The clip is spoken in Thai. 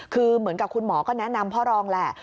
คือเหมือนกับคุณหมอก็แนะนำพ่อรองแหละ